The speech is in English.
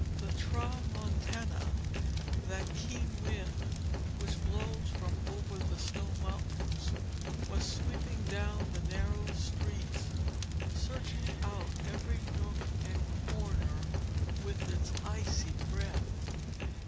The tramontana, that keen wind which blows from over the snow mountains, was sweeping down the narrow streets, searching out every nook and corner with its icy breath.